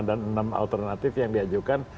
lima dan enam alternatif yang diajukan